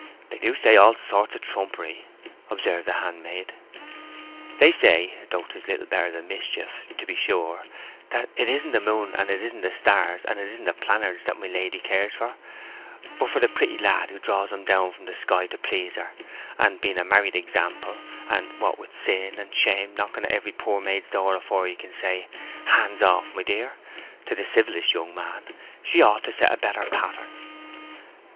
'They do say all sorts of trumpery,' observed the handmaid. 'They say though 'tis little better than mischief, to be sure that it isn't the moon, and it isn't the stars, and it isn't the plannards, that my lady cares for, but for the pretty lad who draws 'em down from the sky to please her; and being a married example, and what with sin and shame knocking at every poor maid's door afore you can say, "Hands off, my dear," to the civilest young man, she ought to set a better pattern.'